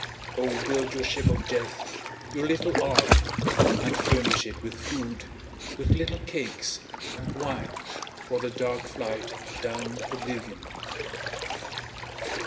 Oh build your ship of death, your little ark and furnish it with food, with little cakes, and wine for the dark flight down oblivion.